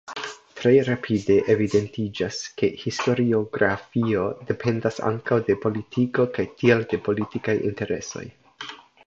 Tre rapide evidentiĝas, ke historiografio dependas ankaŭ de politiko kaj tiel de politikaj interesoj.